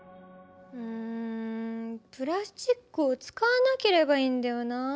うんプラスチックを使わなければいいんだよな。